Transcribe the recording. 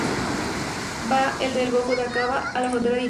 Va del golfo de Áqaba a la frontera con Irak.